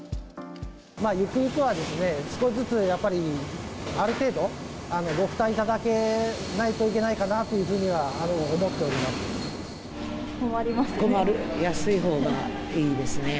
ゆくゆくはですね、少しずつやっぱり、ある程度、ご負担いただけないといけないかなというふうには思っております。